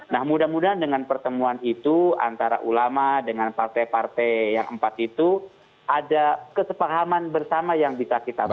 nah mudah mudahan dengan pertemuan itu antara ulama dengan partai partai yang empat itu ada kesepahaman bersama yang bisa kita bangun